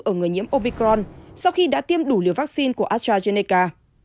ở người nhiễm opicron sau khi đã tiêm đủ liều vaccine của astrazeneca